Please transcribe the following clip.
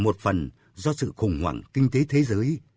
một phần do sự khủng hoảng kinh tế thế giới